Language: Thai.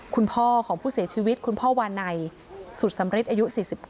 คุณพ่อของผู้เสียชีวิตคุณพ่อวานัยสุดสำริทอายุ๔๙